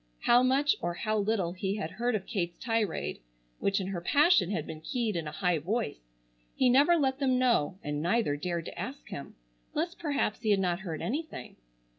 How much or how little he had heard of Kate's tirade, which in her passion had been keyed in a high voice, he never let them know and neither dared to ask him, lest perhaps he had not heard anything.